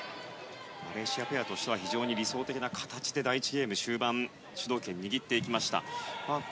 マレーシアペアとしては非常に理想的な形で第１ゲーム終盤主導権を握っていきました。